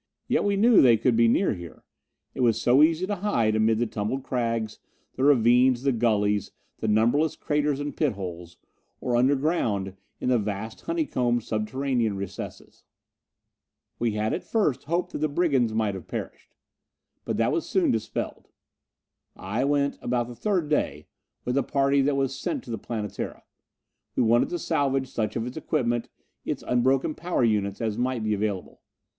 Yet we knew they could be near here it was so easy to hide amid the tumbled crags, the ravines, the gullies, the numberless craters and pit holes: or underground in the vast honeycombed subterranean recesses. We had at first hoped that the brigands might have perished. But that was soon dispelled! I went about the third day with the party that was sent to the Planetara. We wanted to salvage such of its equipment, its unbroken power units, as might be available.